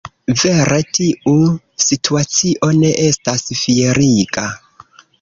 Vere tiu situacio ne estas fieriga.